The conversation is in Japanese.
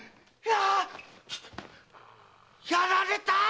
やられた！